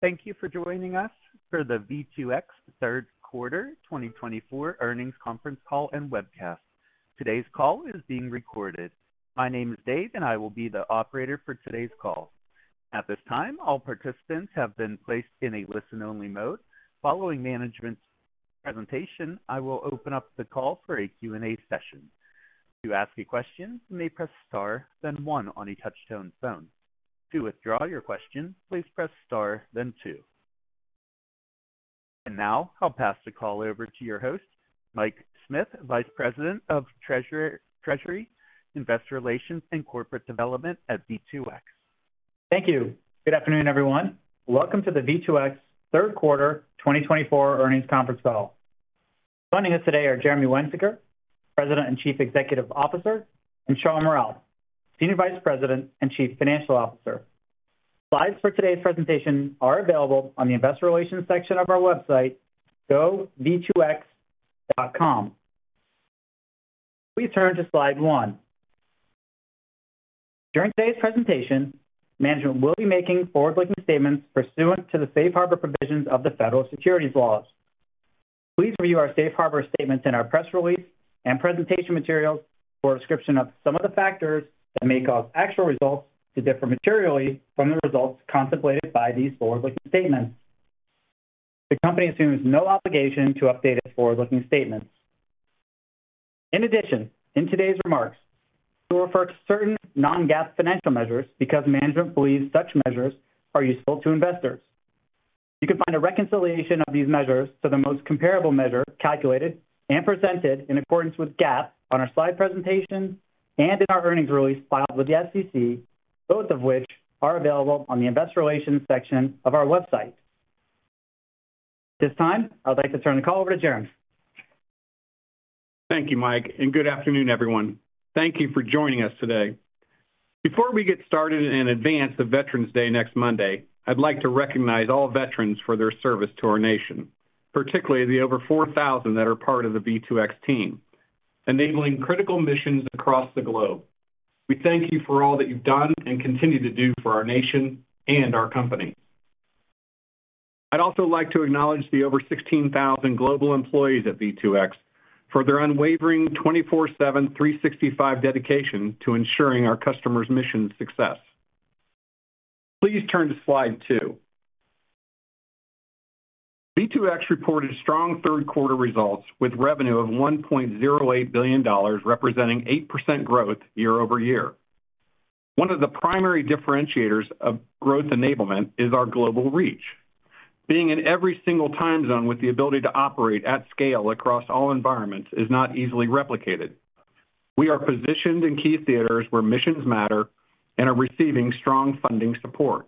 Thank you for joining us for the V2X third quarter 2024 earnings conference call and webcast. Today's call is being recorded. My name is Dave, and I will be the operator for today's call. At this time, all participants have been placed in a listen-only mode. Following management's presentation, I will open up the call for a Q&A session. To ask a question, you may press star, then one on a touch-tone phone. To withdraw your question, please press star, then two. And now, I'll pass the call over to your host, Mike Smith, Vice President of Treasury, Investor Relations, and Corporate Development at V2X. Thank you. Good afternoon, everyone. Welcome to the V2X Third Quarter 2024 earnings conference call. Joining us today are Jeremy Wensinger, President and Chief Executive Officer, and Shawn Mural, Senior Vice President and Chief Financial Officer. Slides for today's presentation are available on the Investor Relations section of our website, gov2x.com. Please turn to slide one. During today's presentation, management will be making forward-looking statements pursuant to the safe harbor provisions of the federal securities laws. Please review our safe harbor statements in our press release and presentation materials for a description of some of the factors that may cause actual results to differ materially from the results contemplated by these forward-looking statements. The company assumes no obligation to update its forward-looking statements. In addition, in today's remarks, we will refer to certain non-GAAP financial measures because management believes such measures are useful to investors. You can find a reconciliation of these measures to the most comparable measure calculated and presented in accordance with GAAP on our slide presentation and in our earnings release filed with the SEC, both of which are available on the Investor Relations section of our website. At this time, I'd like to turn the call over to Jeremy. Thank you, Mike, and good afternoon, everyone. Thank you for joining us today. Before we get started in advance of Veterans Day next Monday, I'd like to recognize all veterans for their service to our nation, particularly the over 4,000 that are part of the V2X team, enabling critical missions across the globe. We thank you for all that you've done and continue to do for our nation and our company. I'd also like to acknowledge the over 16,000 global employees at V2X for their unwavering 24/7, 365 dedication to ensuring our customers' mission success. Please turn to slide two. V2X reported strong third-quarter results with revenue of $1.08 billion, representing 8% growth year-over-year. One of the primary differentiators of growth enablement is our global reach. Being in every single time zone with the ability to operate at scale across all environments is not easily replicated. We are positioned in key theaters where missions matter and are receiving strong funding support.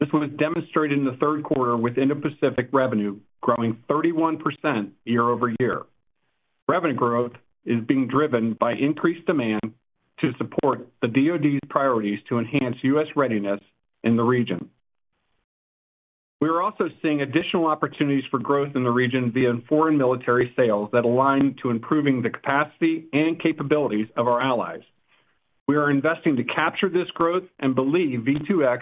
This was demonstrated in the third quarter with Indo-Pacific revenue growing 31% year-over-year. Revenue growth is being driven by increased demand to support the DoD's priorities to enhance U.S. readiness in the region. We are also seeing additional opportunities for growth in the region via foreign military sales that align to improving the capacity and capabilities of our allies. We are investing to capture this growth and believe V2X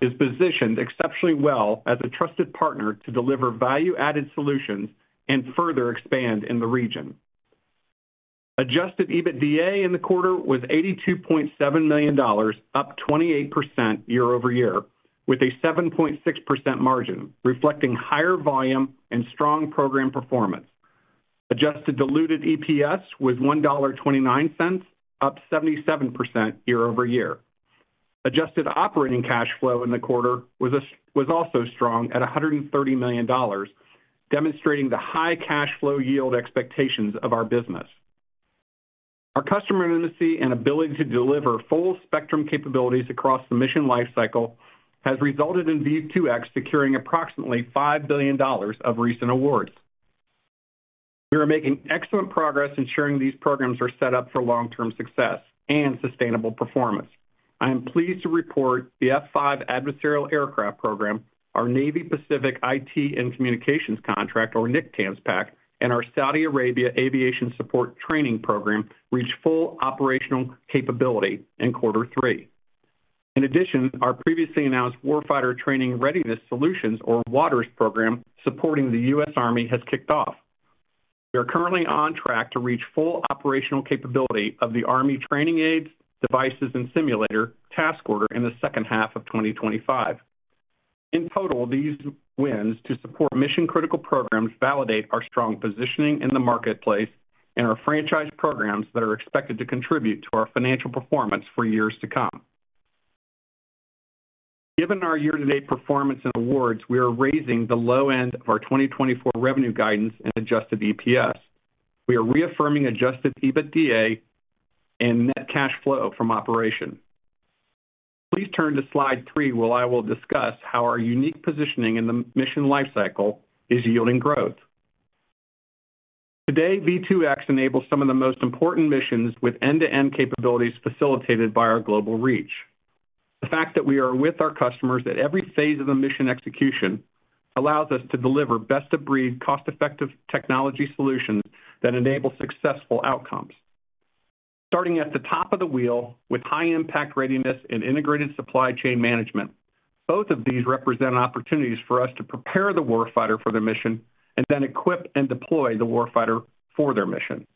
is positioned exceptionally well as a trusted partner to deliver value-added solutions and further expand in the region. Adjusted EBITDA in the quarter was $82.7 million, up 28% year-over-year, with a 7.6% margin, reflecting higher volume and strong program performance. Adjusted diluted EPS was $1.29, up 77% year-over-year. Adjusted operating cash flow in the quarter was also strong at $130 million, demonstrating the high cash flow yield expectations of our business. Our customer intimacy and ability to deliver full-spectrum capabilities across the mission lifecycle has resulted in V2X securing approximately $5 billion of recent awards. We are making excellent progress ensuring these programs are set up for long-term success and sustainable performance. I am pleased to report the F-5 Adversarial Aircraft Program, our Navy Pacific IT and Communications contract, or NCTAMS PAC, and our Saudi Arabia Aviation Support Training Program reached full operational capability in quarter three. In addition, our previously announced Warfighter Training Readiness Solutions, or WATRS program, supporting the U.S. Army, has kicked off. We are currently on track to reach full operational capability of the Army Training Aids, Devices, and Simulator Task Order in the second half of 2025. In total, these wins to support mission-critical programs validate our strong positioning in the marketplace and our franchise programs that are expected to contribute to our financial performance for years to come. Given our year-to-date performance and awards, we are raising the low end of our 2024 revenue guidance and adjusted EPS. We are reaffirming Adjusted EBITDA and net cash flow from operation. Please turn to slide three while I will discuss how our unique positioning in the mission lifecycle is yielding growth. Today, V2X enables some of the most important missions with end-to-end capabilities facilitated by our global reach. The fact that we are with our customers at every phase of the mission execution allows us to deliver best-of-breed, cost-effective technology solutions that enable successful outcomes. Starting at the top of the wheel with high-impact readiness and integrated supply chain management, both of these represent opportunities for us to prepare the warfighter for their mission and then equip and deploy the warfighter for their mission.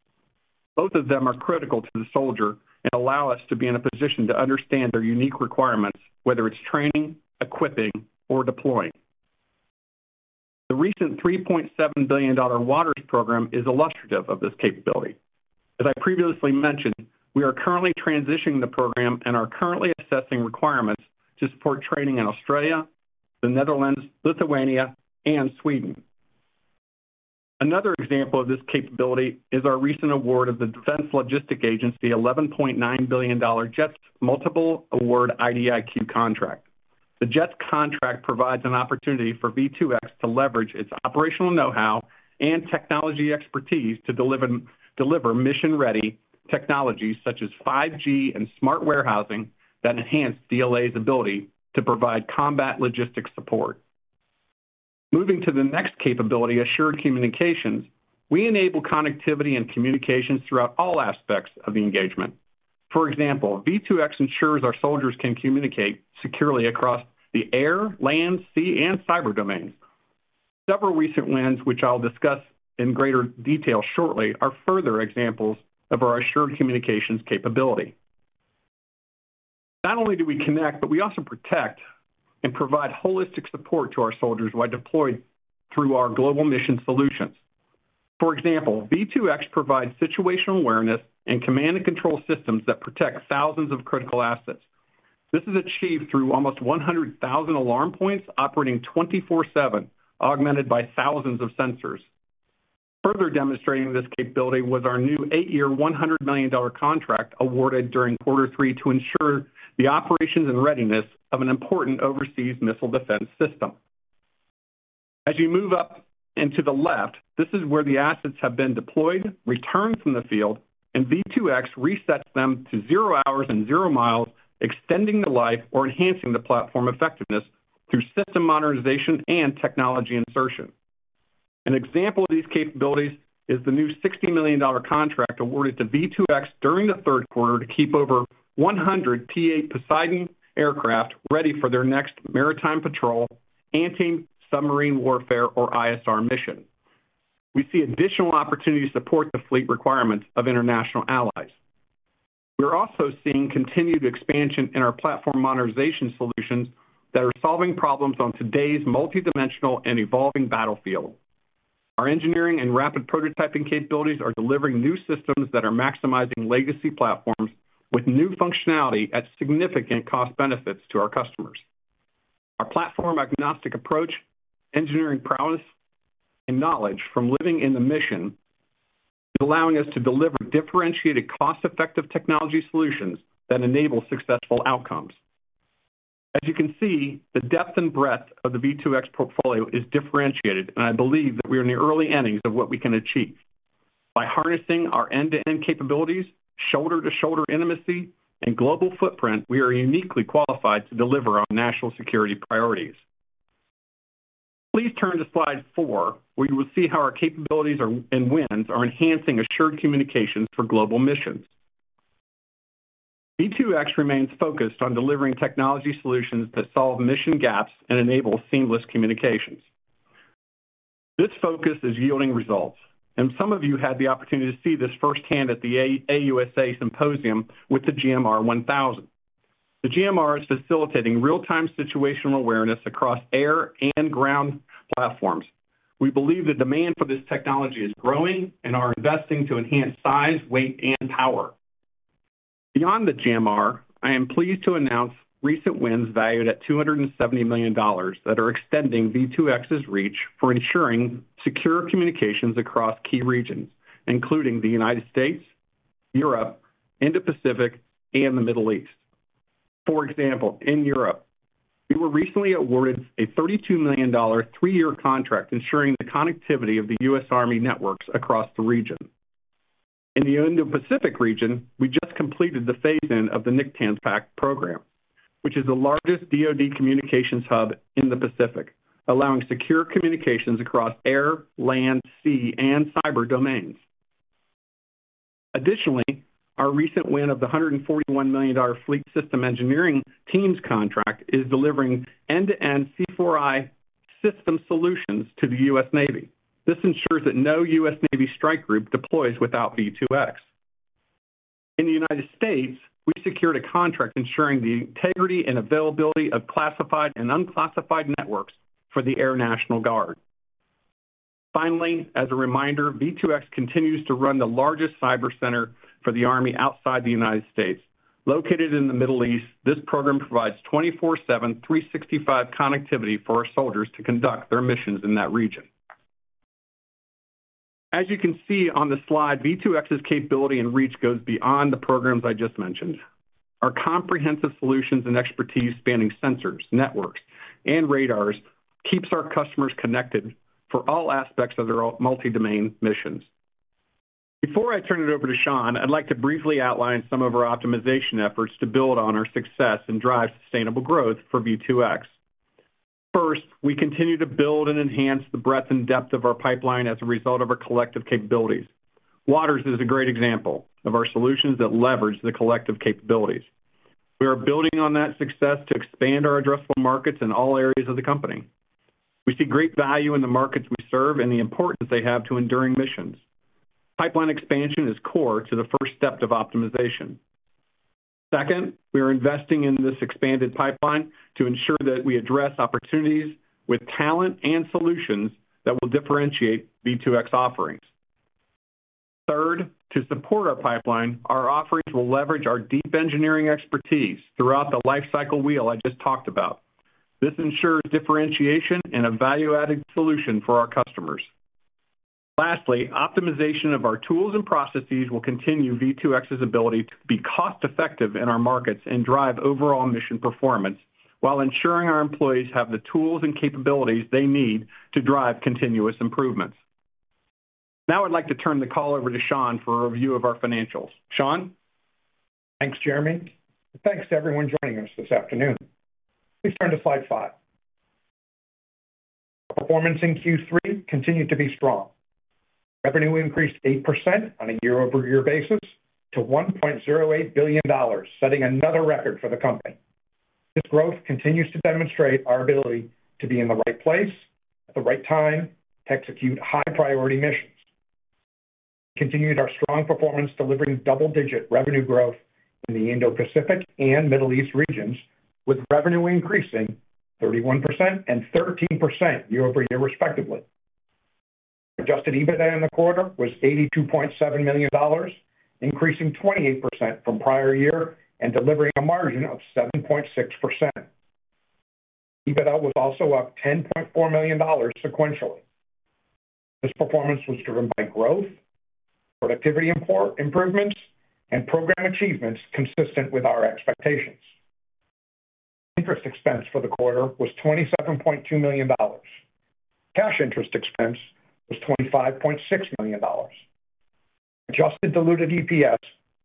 Both of them are critical to the soldier and allow us to be in a position to understand their unique requirements, whether it's training, equipping, or deploying. The recent $3.7 billion WATRS program is illustrative of this capability. As I previously mentioned, we are currently transitioning the program and are currently assessing requirements to support training in Australia, the Netherlands, Lithuania, and Sweden. Another example of this capability is our recent award of the Defense Logistics Agency's $11.9 billion JETS Multiple Award IDIQ contract. The JETS contract provides an opportunity for V2X to leverage its operational know-how and technology expertise to deliver mission-ready technologies such as 5G and smart warehousing that enhance DLA's ability to provide combat logistics support. Moving to the next capability, assured communications, we enable connectivity and communications throughout all aspects of the engagement. For example, V2X ensures our soldiers can communicate securely across the air, land, sea, and cyber domains. Several recent wins, which I'll discuss in greater detail shortly, are further examples of our assured communications capability. Not only do we connect, but we also protect and provide holistic support to our soldiers by deploying through our global mission solutions. For example, V2X provides situational awareness and command-and-control systems that protect thousands of critical assets. This is achieved through almost 100,000 alarm points operating 24/7, augmented by thousands of sensors. Further demonstrating this capability was our new eight-year, $100 million contract awarded during quarter three to ensure the operations and readiness of an important overseas missile defense system. As you move up and to the left, this is where the assets have been deployed, returned from the field, and V2X resets them to zero hours and zero miles, extending the life or enhancing the platform effectiveness through system modernization and technology insertion. An example of these capabilities is the new $60 million contract awarded to V2X during the third quarter to keep over 100 P-8 Poseidon aircraft ready for their next maritime patrol, anti-submarine warfare, or ISR mission. We see additional opportunities to support the fleet requirements of international allies. We're also seeing continued expansion in our platform modernization solutions that are solving problems on today's multidimensional and evolving battlefield. Our engineering and rapid prototyping capabilities are delivering new systems that are maximizing legacy platforms with new functionality at significant cost benefits to our customers. Our platform-agnostic approach, engineering prowess, and knowledge from living in the mission is allowing us to deliver differentiated, cost-effective technology solutions that enable successful outcomes. As you can see, the depth and breadth of the V2X portfolio is differentiated, and I believe that we are in the early innings of what we can achieve. By harnessing our end-to-end capabilities, shoulder-to-shoulder intimacy, and global footprint, we are uniquely qualified to deliver on national security priorities. Please turn to slide four, where you will see how our capabilities and wins are enhancing assured communications for global missions. V2X remains focused on delivering technology solutions that solve mission gaps and enable seamless communications. This focus is yielding results, and some of you had the opportunity to see this firsthand at the AUSA Symposium with the GMR-1000. The GMR is facilitating real-time situational awareness across air and ground platforms. We believe the demand for this technology is growing, and are investing to enhance size, weight, and power. Beyond the GMR, I am pleased to announce recent wins valued at $270 million that are extending V2X's reach for ensuring secure communications across key regions, including the United States, Europe, Indo-Pacific, and the Middle East. For example, in Europe, we were recently awarded a $32 million three-year contract ensuring the connectivity of the U.S. Army networks across the region. In the Indo-Pacific region, we just completed the phase-in of the NCTAMS PAC program, which is the largest DOD communications hub in the Pacific, allowing secure communications across air, land, sea, and cyber domains. Additionally, our recent win of the $141 million Fleet Systems Engineering Team contract is delivering end-to-end C4I system solutions to the U.S. Navy. This ensures that no U.S. Navy strike group deploys without V2X. In the United States, we secured a contract ensuring the integrity and availability of classified and unclassified networks for the Air National Guard. Finally, as a reminder, V2X continues to run the largest cyber center for the Army outside the United States. Located in the Middle East, this program provides 24/7, 365 connectivity for our soldiers to conduct their missions in that region. As you can see on the slide, V2X's capability and reach goes beyond the programs I just mentioned. Our comprehensive solutions and expertise spanning sensors, networks, and radars keep our customers connected for all aspects of their multi-domain missions. Before I turn it over to Shawn, I'd like to briefly outline some of our optimization efforts to build on our success and drive sustainable growth for V2X. First, we continue to build and enhance the breadth and depth of our pipeline as a result of our collective capabilities. WATRS is a great example of our solutions that leverage the collective capabilities. We are building on that success to expand our addressable markets in all areas of the company. We see great value in the markets we serve and the importance they have to enduring missions. Pipeline expansion is core to the first step of optimization. Second, we are investing in this expanded pipeline to ensure that we address opportunities with talent and solutions that will differentiate V2X offerings. Third, to support our pipeline, our offerings will leverage our deep engineering expertise throughout the lifecycle wheel I just talked about. This ensures differentiation and a value-added solution for our customers. Lastly, optimization of our tools and processes will continue V2X's ability to be cost-effective in our markets and drive overall mission performance while ensuring our employees have the tools and capabilities they need to drive continuous improvements. Now I'd like to turn the call over to Shawn for a review of our financials. Shawn? Thanks, Jeremy. Thanks to everyone joining us this afternoon. Please turn to slide five. Our performance in Q3 continued to be strong. Revenue increased 8% on a year-over-year basis to $1.08 billion, setting another record for the company. This growth continues to demonstrate our ability to be in the right place at the right time to execute high-priority missions. We continued our strong performance, delivering double-digit revenue growth in the Indo-Pacific and Middle East regions, with revenue increasing 31% and 13% year-over-year, respectively. Adjusted EBITDA in the quarter was $82.7 million, increasing 28% from prior year and delivering a margin of 7.6%. EBITDA was also up $10.4 million sequentially. This performance was driven by growth, productivity improvements, and program achievements consistent with our expectations. Interest expense for the quarter was $27.2 million. Cash interest expense was $25.6 million. Adjusted diluted EPS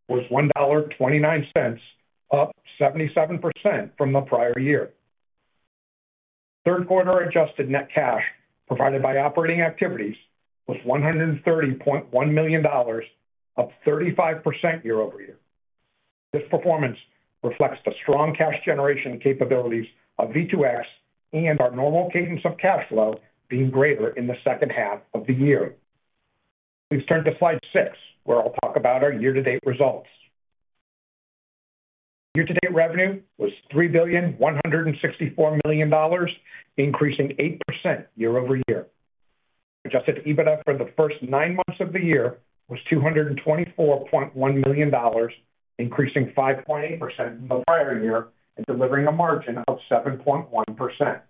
was $1.29, up 77% from the prior year. Third-quarter adjusted net cash provided by operating activities was $130.1 million, up 35% year-over-year. This performance reflects the strong cash generation capabilities of V2X and our normal cadence of cash flow being greater in the second half of the year. Please turn to slide six, where I'll talk about our year-to-date results. Year-to-date revenue was $3.164 billion, increasing 8% year-over-year. Adjusted EBITDA for the first nine months of the year was $224.1 million, increasing 5.8% from the prior year and delivering a margin of 7.1%.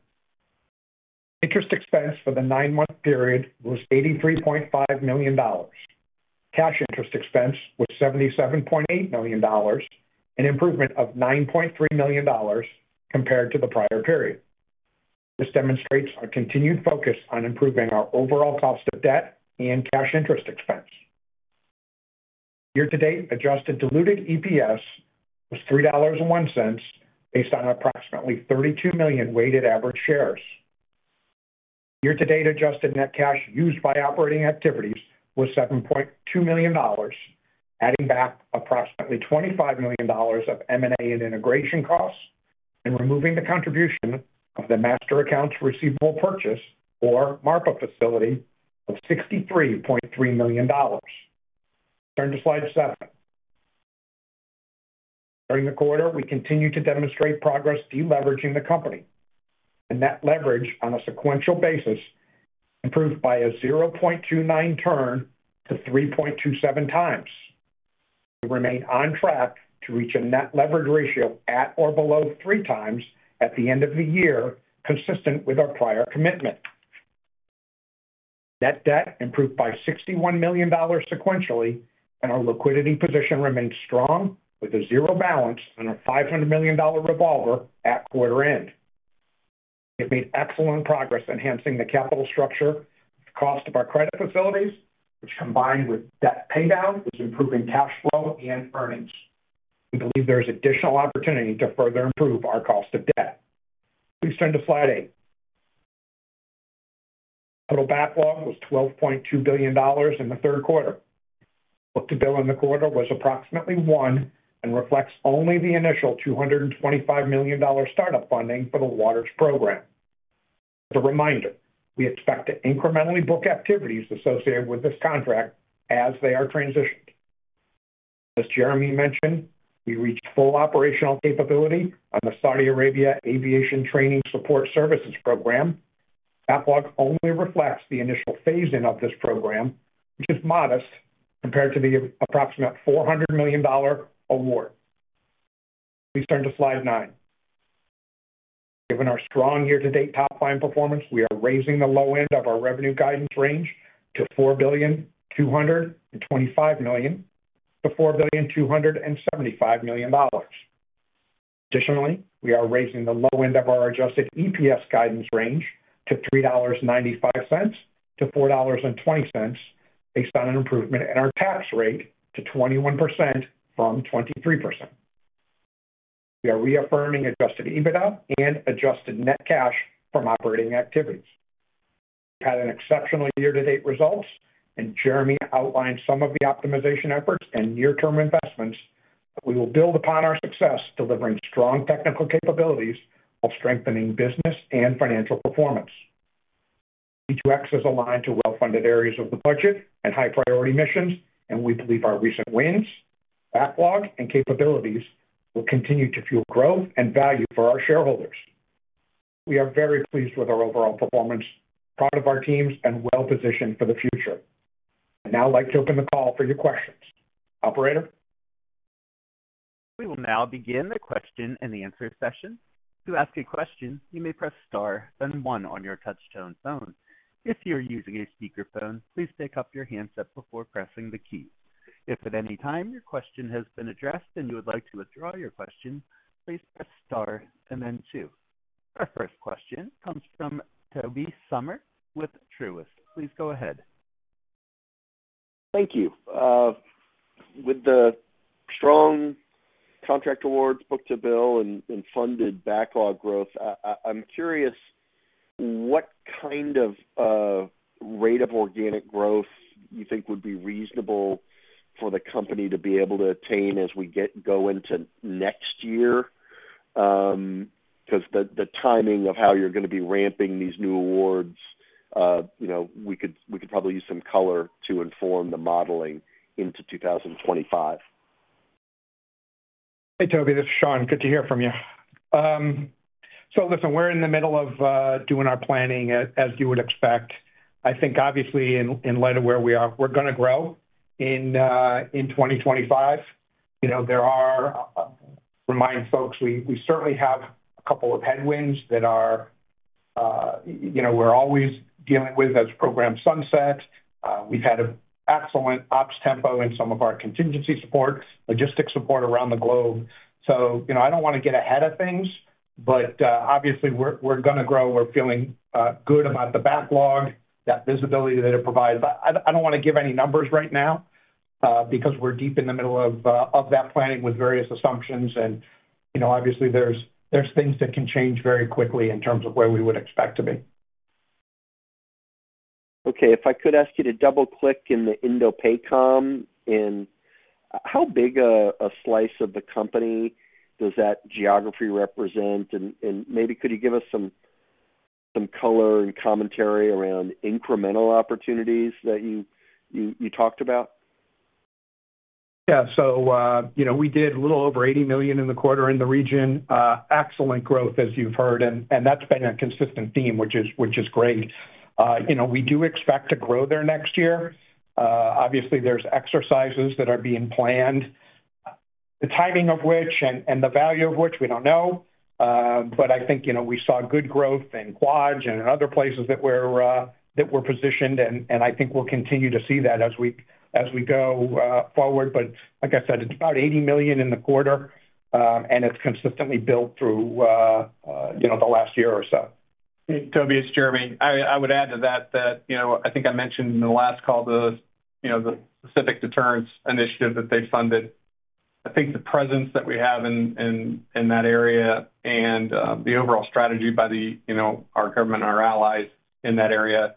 Interest expense for the nine-month period was $83.5 million. Cash interest expense was $77.8 million, an improvement of $9.3 million compared to the prior period. This demonstrates our continued focus on improving our overall cost of debt and cash interest expense. Year-to-date adjusted diluted EPS was $3.01 based on approximately 32 million weighted average shares. Year-to-date adjusted net cash used by operating activities was $7.2 million, adding back approximately $25 million of M&A and integration costs and removing the contribution of the Master Accounts Receivable Purchase, or MARPA facility, of $63.3 million. Turn to slide seven. During the quarter, we continue to demonstrate progress deleveraging the company. The net leverage on a sequential basis improved by a 0.29 turn to 3.27 times. We remain on track to reach a net leverage ratio at or below three times at the end of the year, consistent with our prior commitment. Net debt improved by $61 million sequentially, and our liquidity position remained strong with a zero balance and a $500 million revolver at quarter end. We have made excellent progress enhancing the capital structure and cost of our credit facilities, which combined with debt paydown is improving cash flow and earnings. We believe there is additional opportunity to further improve our cost of debt. Please turn to slide eight. Total backlog was $12.2 billion in the third quarter. Book-to-Bill in the quarter was approximately one and reflects only the initial $225 million startup funding for the WATRS program. As a reminder, we expect to incrementally book activities associated with this contract as they are transitioned. As Jeremy mentioned, we reached full operational capability on the Saudi Arabia Aviation Support Training Program. Backlog only reflects the initial phase-in of this program, which is modest compared to the approximate $400 million award. Please turn to slide nine. Given our strong year-to-date top-line performance, we are raising the low end of our revenue guidance range to $4.225 billion-$4.275 billion. Additionally, we are raising the low end of our Adjusted EPS guidance range to $3.95-$4.20 based on an improvement in our tax rate to 21% from 23%. We are reaffirming Adjusted EBITDA and adjusted net cash from operating activities. We've had exceptional year-to-date results, and Jeremy outlined some of the optimization efforts and near-term investments that we will build upon our success, delivering strong technical capabilities while strengthening business and financial performance. V2X is aligned to well-funded areas of the budget and high-priority missions, and we believe our recent wins, backlog, and capabilities will continue to fuel growth and value for our shareholders. We are very pleased with our overall performance, proud of our teams, and well-positioned for the future. I'd now like to open the call for your questions. Operator? We will now begin the question and answer session. To ask a question, you may press star, then one on your touch-tone phone. If you're using a speakerphone, please pick up your handset before pressing the key. If at any time your question has been addressed and you would like to withdraw your question, please press star and then two. Our first question comes from Tobey Sommer with Truist. Please go ahead. Thank you. With the strong contract awards, book-to-bill, and funded backlog growth, I'm curious what kind of rate of organic growth you think would be reasonable for the company to be able to attain as we go into next year? Because the timing of how you're going to be ramping these new awards, we could probably use some color to inform the modeling into 2025. Hey, Tobey, this is Shawn. Good to hear from you. So listen, we're in the middle of doing our planning, as you would expect. I think, obviously, in light of where we are, we're going to grow in 2025. Remind folks we certainly have a couple of headwinds that we're always dealing with as program sunset. We've had an excellent ops tempo in some of our contingency support, logistics support around the globe. I don't want to get ahead of things, but obviously, we're going to grow. We're feeling good about the backlog, that visibility that it provides. I don't want to give any numbers right now because we're deep in the middle of that planning with various assumptions. And obviously, there's things that can change very quickly in terms of where we would expect to be. Okay. If I could ask you to double-click in the Indo-PACOM, how big a slice of the company does that geography represent? And maybe could you give us some color and commentary around incremental opportunities that you talked about? Yeah. So we did a little over $80 million in the quarter in the region. Excellent growth, as you've heard. And that's been a consistent theme, which is great. We do expect to grow there next year. Obviously, there's exercises that are being planned. The timing of which and the value of which, we don't know. But I think we saw good growth in Quad and in other places that we're positioned. I think we'll continue to see that as we go forward. But like I said, it's about $80 million in the quarter, and it's consistently built through the last year or so. Tobey, it's Jeremy. I would add to that that I think I mentioned in the last call the Pacific Deterrence Initiative that they funded. I think the presence that we have in that area and the overall strategy by our government and our allies in that area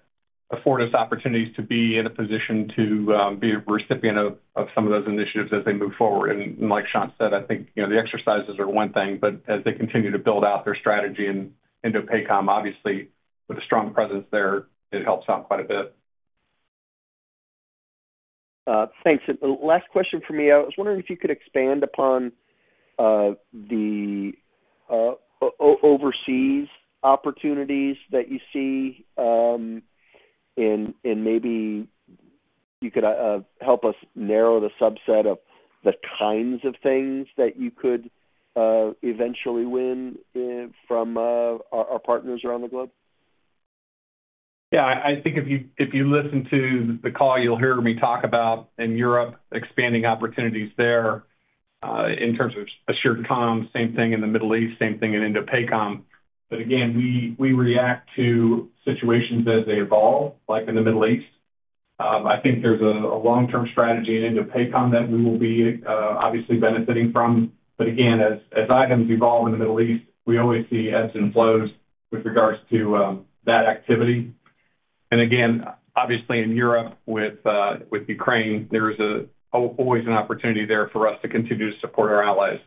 afford us opportunities to be in a position to be a recipient of some of those initiatives as they move forward. Like Shawn said, I think the exercises are one thing, but as they continue to build out their strategy in Indo-PACOM, obviously, with a strong presence there, it helps out quite a bit. Thanks. Last question for me. I was wondering if you could expand upon the overseas opportunities that you see, and maybe you could help us narrow the subset of the kinds of things that you could eventually win from our partners around the globe? Yeah. I think if you listen to the call, you'll hear me talk about in Europe expanding opportunities there in terms of Assured Comms, same thing in the Middle East, same thing in Indo-PACOM. But again, we react to situations as they evolve, like in the Middle East. I think there's a long-term strategy in Indo-PACOM that we will be obviously benefiting from. But again, as items evolve in the Middle East, we always see ebbs and flows with regards to that activity. And again, obviously, in Europe with Ukraine, there is always an opportunity there for us to continue to support our allies.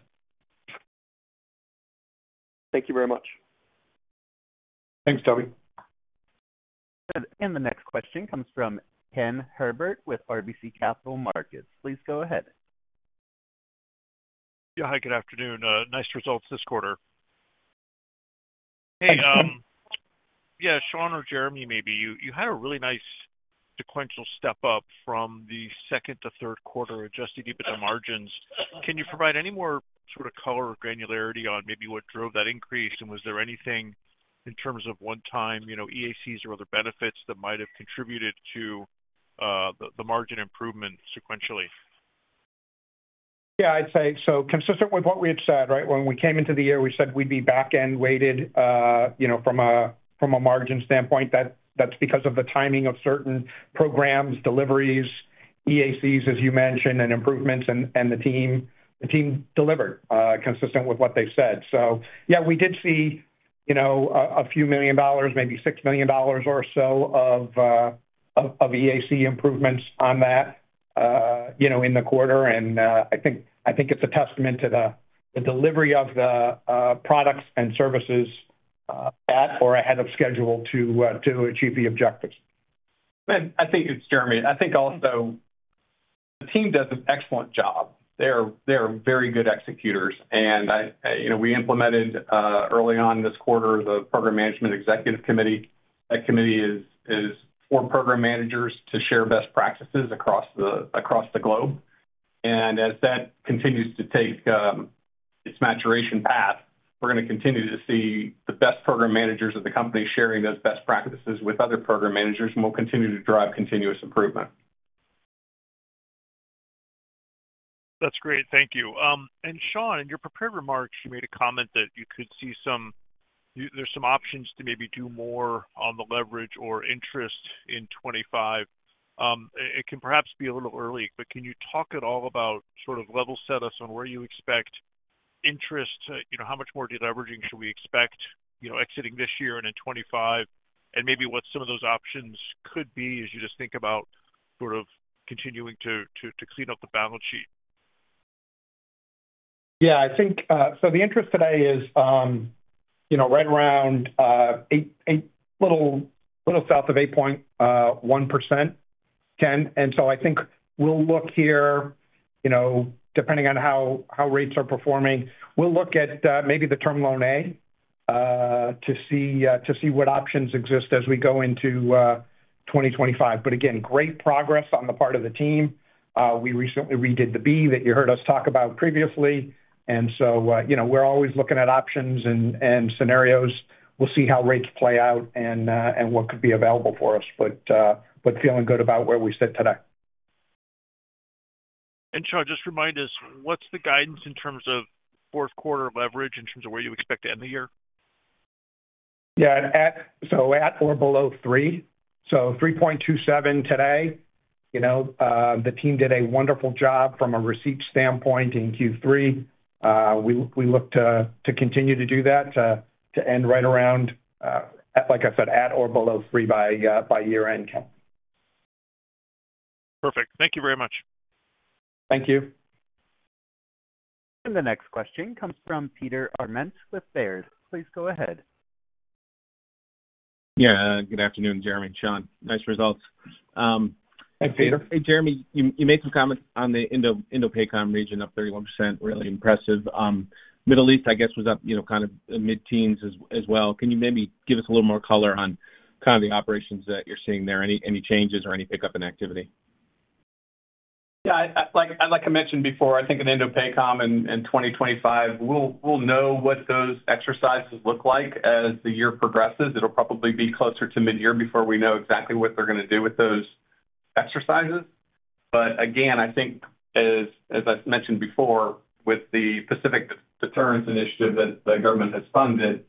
Thank you very much. Thanks, Tobey. And the next question comes from Ken Herbert with RBC Capital Markets. Please go ahead. Yeah. Hi, good afternoon. Nice results this quarter. Hey. Yeah. Shawn or Jeremy, maybe. You had a really nice sequential step up from the second to third quarter Adjusted EBITDA margins. Can you provide any more sort of color or granularity on maybe what drove that increase? And was there anything in terms of one-time EACs or other benefits that might have contributed to the margin improvement sequentially? Yeah. So consistent with what we had said, right? When we came into the year, we said we'd be back-end weighted from a margin standpoint. That's because of the timing of certain programs, deliveries, EACs, as you mentioned, and improvements. And the team delivered consistent with what they said. So yeah, we did see a few million dollars, maybe $6 million or so of EAC improvements on that in the quarter. And I think it's a testament to the delivery of the products and services at or ahead of schedule to achieve the objectives. And I think. It's Jeremy, I think also the team does an excellent job. They're very good executors. And we implemented early on this quarter the Program Management Executive Committee. That committee is for program managers to share best practices across the globe. And as that continues to take its maturation path, we're going to continue to see the best program managers of the company sharing those best practices with other program managers, and we'll continue to drive continuous improvement. That's great. Thank you. And Shawn, in your prepared remarks, you made a comment that you could see there's some options to maybe do more on the leverage or interest in 2025. It can perhaps be a little early, but can you talk at all about sort of level set us on where you expect interest, how much more deleveraging should we expect exiting this year and in 2025, and maybe what some of those options could be as you just think about sort of continuing to clean up the balance sheet? Yeah. So the interest today is right around a little south of 8.1%, Ken. And so I think we'll look here, depending on how rates are performing. We'll look at maybe the term loan A to see what options exist as we go into 2025. But again, great progress on the part of the team. We recently redid the B that you heard us talk about previously. And so we're always looking at options and scenarios. We'll see how rates play out and what could be available for us, but feeling good about where we sit today. And Shawn, just remind us, what's the guidance in terms of fourth quarter leverage in terms of where you expect to end the year? Yeah. So at or below three. So 3.27 today. The team did a wonderful job from a receipt standpoint in Q3. We look to continue to do that to end right around, like I said, at or below three by year-end. Perfect. Thank you very much. Thank you. And the next question comes from Peter Arment with Baird. Please go ahead. Yeah. Good afternoon, Jeremy and Shawn. Nice results. Hey, Peter. Hey, Jeremy. You made some comments on the Indo-PACOM region up 31%. Really impressive. Middle East, I guess, was up kind of mid-teens as well. Can you maybe give us a little more color on kind of the operations that you're seeing there? Any changes or any pickup in activity? Yeah. Like I mentioned before, I think in Indo-PACOM and 2025, we'll know what those exercises look like as the year progresses. It'll probably be closer to mid-year before we know exactly what they're going to do with those exercises. But again, I think, as I mentioned before, with the Pacific Deterrence Initiative that the government has funded,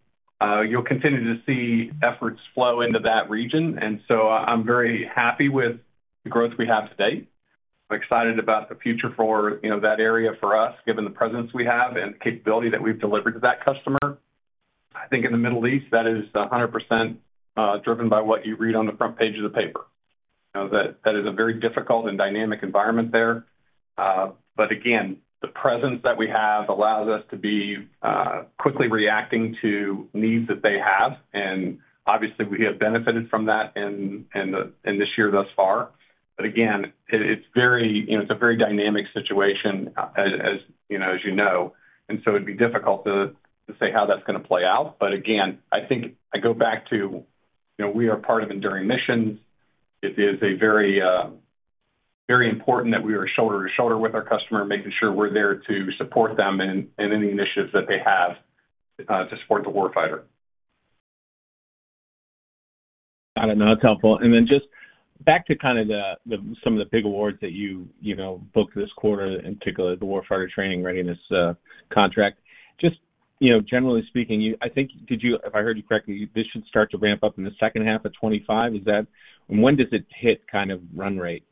you'll continue to see efforts flow into that region. And so I'm very happy with the growth we have today. I'm excited about the future for that area for us, given the presence we have and the capability that we've delivered to that customer. I think in the Middle East, that is 100% driven by what you read on the front page of the paper. That is a very difficult and dynamic environment there. But again, the presence that we have allows us to be quickly reacting to needs that they have. And obviously, we have benefited from that in this year thus far. But again, it's a very dynamic situation, as you know. And so it'd be difficult to say how that's going to play out. But again, I think I go back to we are part of enduring missions. It is very important that we are shoulder to shoulder with our customer, making sure we're there to support them in any initiatives that they have to support the warfighter. I don't know. That's helpful, and then just back to kind of some of the big awards that you booked this quarter, in particular, the warfighter training readiness contract. Just generally speaking, I think, if I heard you correctly, this should start to ramp up in the second half of 2025. When does it hit kind of run rate?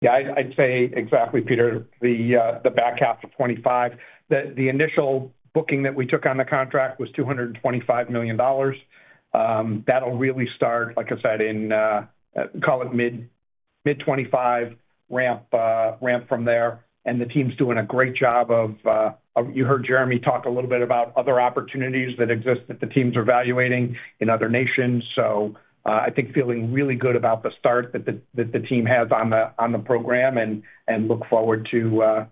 Yeah. I'd say exactly, Peter, the back half of 2025. The initial booking that we took on the contract was $225 million. That'll really start, like I said, in, call it mid-2025, ramp from there. And the team's doing a great job. As you heard, Jeremy talked a little bit about other opportunities that exist that the teams are evaluating in other nations. So I think I'm feeling really good about the start that the team has on the program and look forward to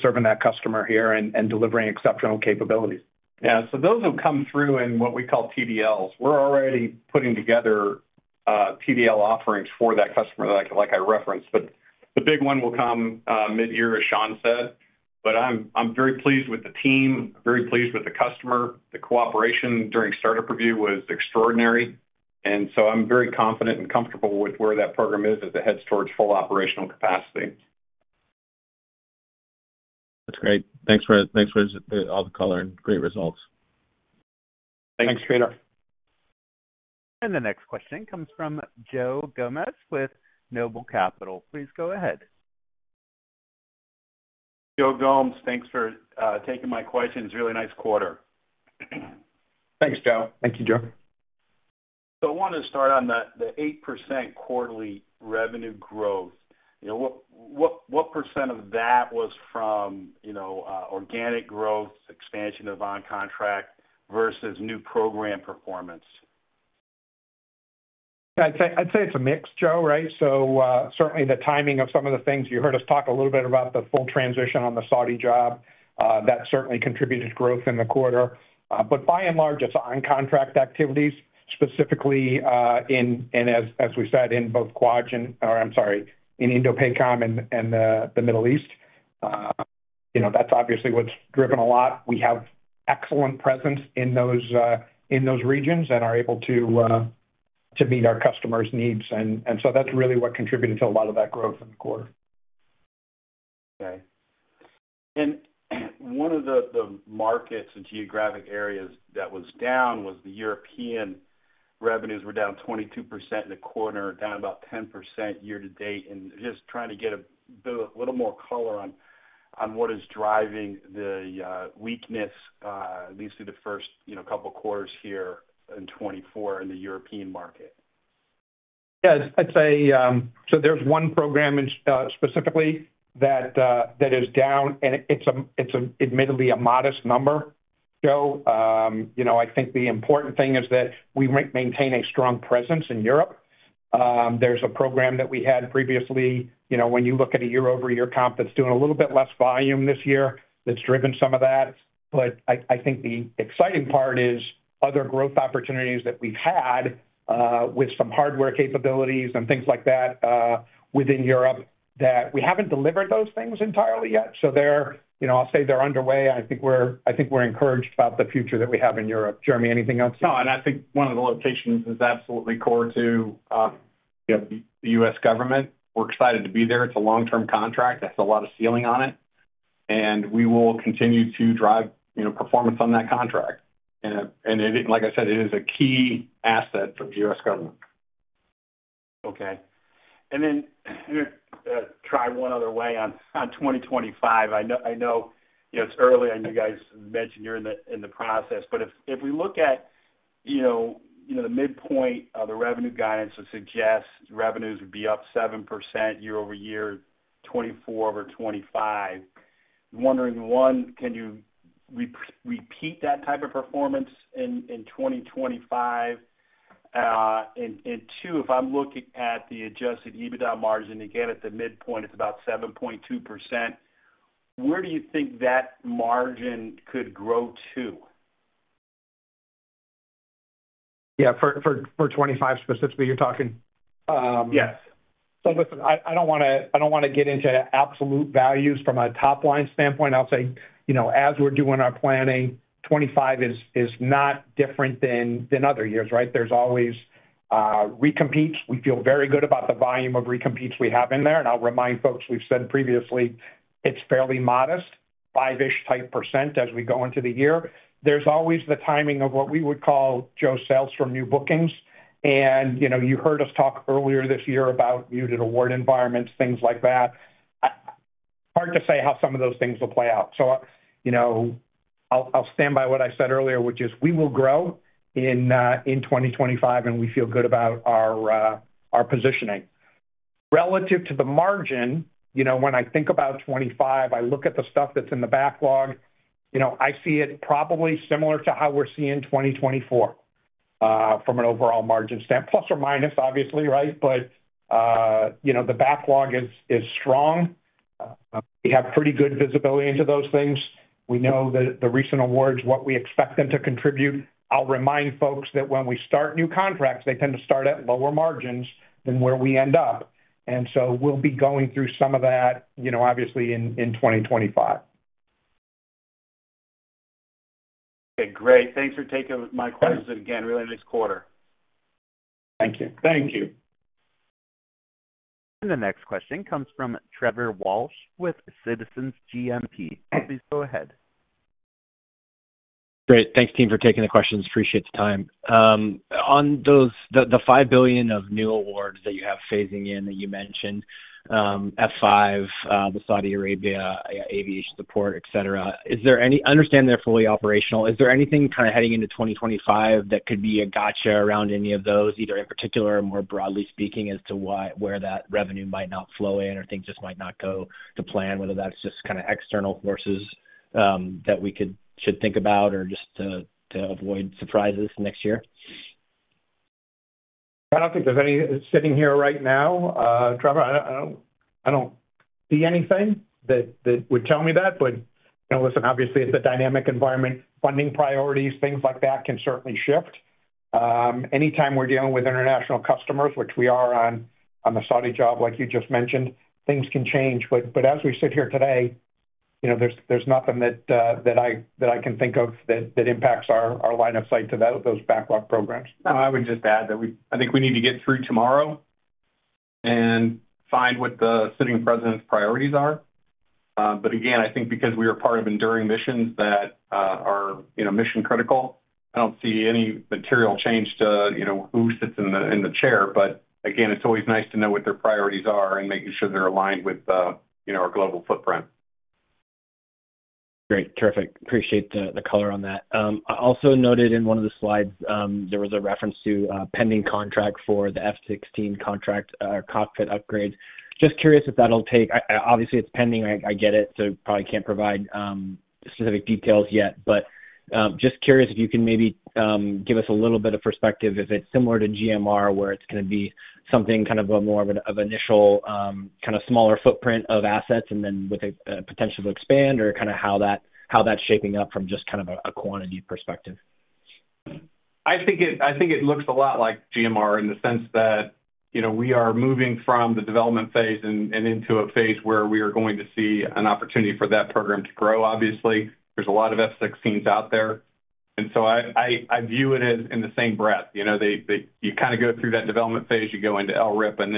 serving that customer here and delivering exceptional capabilities. Yeah, so those have come through in what we call TDLs. We're already putting together TDL offerings for that customer that I referenced. But the big one will come mid-year, as Shawn said. But I'm very pleased with the team, very pleased with the customer. The cooperation during startup review was extraordinary. And so I'm very confident and comfortable with where that program is as it heads towards full operational capability. That's great. Thanks for all the color and great results. Thanks, Peter. And the next question comes from Joe Gomes with NOBLE Capital. Please go ahead. Joe Gomes, thanks for taking my question. It's a really nice quarter. Thanks, Joe. Thank you, Joe. So I wanted to start on the 8% quarterly revenue growth. What percent of that was from organic growth, expansion of on-contract versus new program performance? I'd say it's a mix, Joe, right? So certainly the timing of some of the things. You heard us talk a little bit about the full transition on the Saudi job. That certainly contributed growth in the quarter. But by and large, it's on-contract activities, specifically, and as we said, in both Quad and, or I'm sorry, in Indo-PACOM and the Middle East. That's obviously what's driven a lot. We have excellent presence in those regions and are able to meet our customers' needs. And so that's really what contributed to a lot of that growth in the quarter. Okay. One of the markets and geographic areas that was down was the European revenues were down 22% in the quarter, down about 10% year-to-date. Just trying to get a little more color on what is driving the weakness, at least through the first couple of quarters here in 2024 in the European market. Yeah. There's one program specifically that is down, and it's admittedly a modest number, Joe. I think the important thing is that we maintain a strong presence in Europe. There's a program that we had previously. When you look at a year-over-year comp, it's doing a little bit less volume this year. That's driven some of that. I think the exciting part is other growth opportunities that we've had with some hardware capabilities and things like that within Europe that we haven't delivered those things entirely yet. I'll say they're underway. I think we're encouraged about the future that we have in Europe. Jeremy, anything else? No. And I think one of the locations is absolutely core to the U.S. government. We're excited to be there. It's a long-term contract. It has a lot of ceiling on it. And we will continue to drive performance on that contract. And like I said, it is a key asset for the U.S. government. Okay. And then, Shawn, one other way on 2025. I know it's early. I know you guys mentioned you're in the process. But if we look at the midpoint of the revenue guidance, it suggests revenues would be up 7% year-over-year, 2024 over 2025. I'm wondering, one, can you repeat that type of performance in 2025? And two, if I'm looking at the Adjusted EBITDA margin, again, at the midpoint, it's about 7.2%. Where do you think that margin could grow to? Yeah. For 2025 specifically, you're talking? Yes. So listen, I don't want to get into absolute values from a top-line standpoint. I'll say, as we're doing our planning, 2025 is not different than other years, right? There's always recompetes. We feel very good about the volume of recompetes we have in there. And I'll remind folks we've said previously, it's fairly modest, five-ish type % as we go into the year. There's always the timing of what we would call, Joe, sales from new bookings. And you heard us talk earlier this year about muted award environments, things like that. Hard to say how some of those things will play out. So I'll stand by what I said earlier, which is we will grow in 2025, and we feel good about our positioning. Relative to the margin, when I think about 2025, I look at the stuff that's in the backlog, I see it probably similar to how we're seeing 2024 from an overall margin standpoint. Plus or minus, obviously, right? But the backlog is strong. We have pretty good visibility into those things. We know the recent awards, what we expect them to contribute. I'll remind folks that when we start new contracts, they tend to start at lower margins than where we end up. And so we'll be going through some of that, obviously, in 2025. Okay. Great. Thanks for taking my questions again. Really nice quarter. Thank you. Thank you. And the next question comes from Trevor Walsh with Citizens JMP. Please go ahead. Great. Thanks, team, for taking the questions. Appreciate the time. On the $5 billion of new awards that you have phasing in that you mentioned, F-5, the Saudi Arabia aviation support, etc., I understand they're fully operational. Is there anything kind of heading into 2025 that could be a gotcha around any of those, either in particular or more broadly speaking, as to where that revenue might not flow in or things just might not go to plan, whether that's just kind of external forces that we should think about or just to avoid surprises next year? I don't think there's any sitting here right now. Trevor, I don't see anything that would tell me that. But listen, obviously, it's a dynamic environment. Funding priorities, things like that can certainly shift. Anytime we're dealing with international customers, which we are on the Saudi job, like you just mentioned, things can change. But as we sit here today, there's nothing that I can think of that impacts our line of sight to those backlog programs. I would just add that I think we need to get through tomorrow and find what the sitting president's priorities are. But again, I think because we are part of enduring missions that are mission-critical, I don't see any material change to who sits in the chair. But again, it's always nice to know what their priorities are and making sure they're aligned with our global footprint. Great. Terrific. Appreciate the color on that. I also noted in one of the slides, there was a reference to a pending contract for the F-16 contract, a cockpit upgrade. Just curious if that'll take, obviously, it's pending. I get it. So probably can't provide specific details yet. But just curious if you can maybe give us a little bit of perspective if it's similar to GMR, where it's going to be something kind of more of an initial kind of smaller footprint of assets and then with a potential to expand or kind of how that's shaping up from just kind of a quantity perspective. I think it looks a lot like GMR in the sense that we are moving from the development phase and into a phase where we are going to see an opportunity for that program to grow. Obviously, there's a lot of F-16s out there. And so I view it in the same breath. You kind of go through that development phase, you go into LRIP, and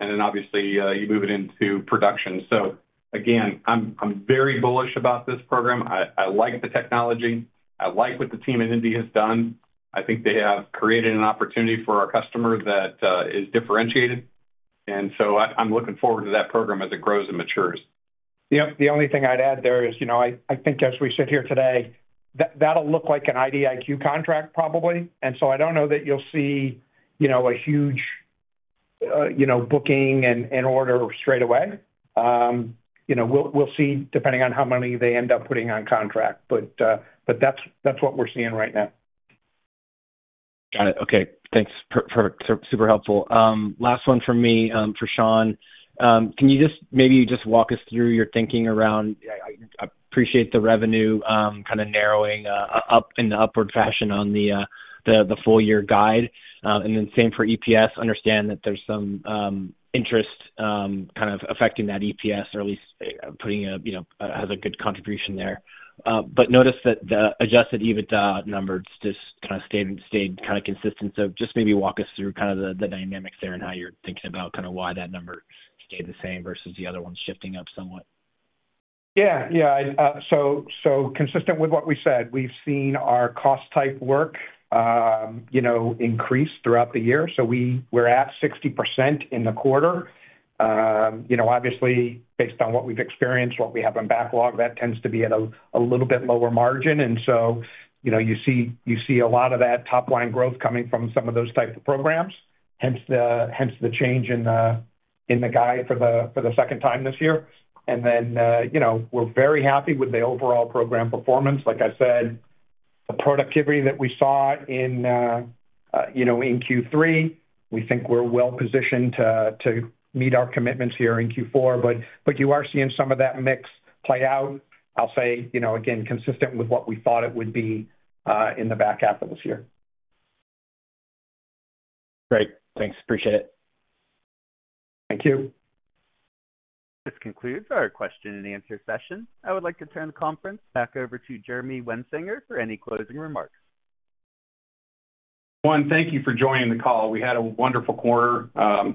then obviously, you move it into production. So again, I'm very bullish about this program. I like the technology. I like what the team at Indy has done. I think they have created an opportunity for our customer that is differentiated. And so I'm looking forward to that program as it grows and matures. Yep. The only thing I'd add there is I think as we sit here today, that'll look like an IDIQ contract, probably. And so I don't know that you'll see a huge booking and order straight away. We'll see depending on how many they end up putting on contract. But that's what we're seeing right now. Got it. Okay. Thanks. Perfect. Super helpful. Last one for me, for Shawn. Can you just maybe walk us through your thinking around, I appreciate the revenue kind of narrowing up in the upward fashion on the full-year guide. And then same for EPS. Understand that there's some interest kind of affecting that EPS, or at least putting a, has a good contribution there. But notice that the Adjusted EBITDA number just kind of stayed kind of consistent. So just maybe walk us through kind of the dynamics there and how you're thinking about kind of why that number stayed the same versus the other ones shifting up somewhat. Yeah. Yeah. So consistent with what we said, we've seen our cost type work increase throughout the year. So we're at 60% in the quarter. Obviously, based on what we've experienced, what we have in backlog, that tends to be at a little bit lower margin. And so you see a lot of that top-line growth coming from some of those types of programs, hence the change in the guide for the second time this year. And then we're very happy with the overall program performance. Like I said, the productivity that we saw in Q3, we think we're well-positioned to meet our commitments here in Q4. But you are seeing some of that mix play out. I'll say, again, consistent with what we thought it would be in the back half of this year. Great. Thanks. Appreciate it. Thank you. This concludes our question-and-answer session. I would like to turn the conference back over to Jeremy Wensinger for any closing remarks. One, thank you for joining the call. We had a wonderful quarter.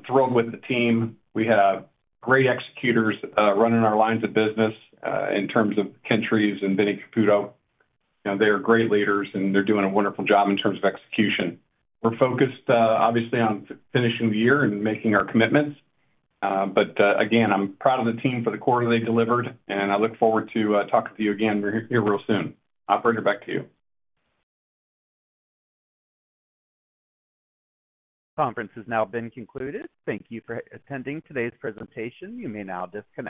Thrilled with the team. We have great executors running our lines of business in terms of Ken Tryon and Vinny Caputo. They are great leaders, and they're doing a wonderful job in terms of execution. We're focused, obviously, on finishing the year and making our commitments. But again, I'm proud of the team for the quarter they delivered, and I look forward to talking to you again here real soon. I'll bring it back to you. The conference has now been concluded. Thank you for attending today's presentation. You may now disconnect.